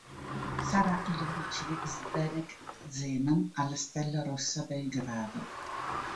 Sarà il vice di Zdeněk Zeman alla Stella Rossa Belgrado.